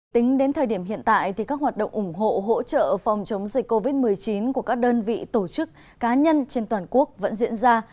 tính đến thời điểm hiện tại các hoạt động ủng hộ hỗ trợ phòng chống dịch covid một mươi chín của các đơn vị tổ chức cá nhân trên toàn quốc vẫn diễn ra